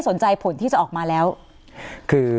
ส่วนใจถึง